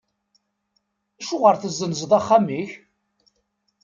Acuɣer tezzenzeḍ axxam-ik?